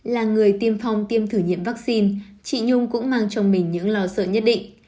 là người tiêm phong tiêm thử nghiệm vaccine chị nhung cũng mang trong mình những lo sợ nhất định